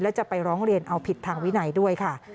และจะไปร้องเรียนเอาผิดทางวินัยด้วยค่ะ